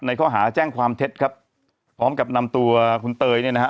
ข้อหาแจ้งความเท็จครับพร้อมกับนำตัวคุณเตยเนี่ยนะฮะ